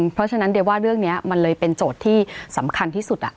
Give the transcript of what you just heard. เพราะฉะนั้นเดี๋ยวว่าเรื่องนี้มันเลยเป็นโจทย์ที่สำคัญที่สุด